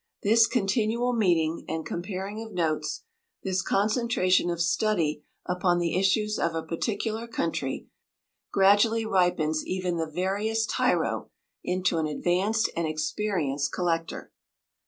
This continual meeting and comparing of notes, this concentration of study upon the issues of a particular country, gradually ripens even the veriest tyro into an advanced and experienced collector.